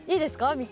見て。